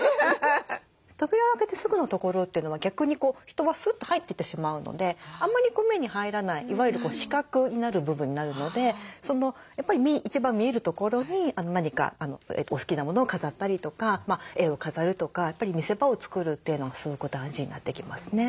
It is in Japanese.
扉を開けてすぐの所というのは逆に人はスッと入ってってしまうのであまり目に入らないいわゆる死角になる部分になるのでやっぱり一番見える所に何かお好きなものを飾ったりとか絵を飾るとかやっぱり見せ場を作るというのがすごく大事になってきますね。